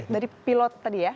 dari pilot tadi ya